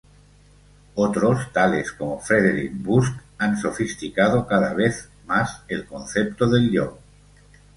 Otros, tales como Frederic Busch, han sofisticado cada vez más el concepto del Yo.